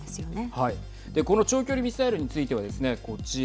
この長距離ミサイルについてはですねこちら。